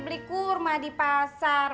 beli kurma di pasar